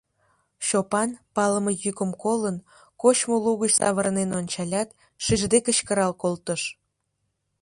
Чопан, палыме йӱкым колын, кочмо лугыч савырнен ончалят, шижде кычкырал колтыш: